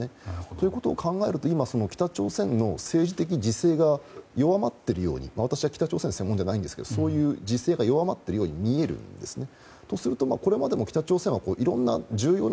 ということを考えると今、北朝鮮の政治的自制が弱まっているように私は北朝鮮に専門ではないですが自制が弱まっているように見えますね。